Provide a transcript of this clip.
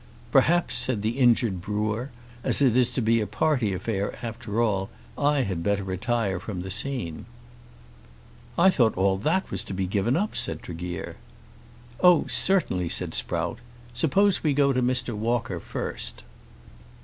"Perhaps," said the injured brewer, "as it is to be a party affair after all I had better retire from the scene." "I thought all that was to be given up," said Tregear. "Oh, certainly," said Sprout. "Suppose we go to Mr. Walker first?"